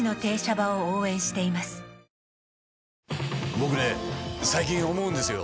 僕ね最近思うんですよ。